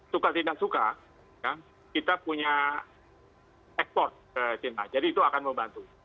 suka tidak suka kita punya ekspor ke china jadi itu akan membantu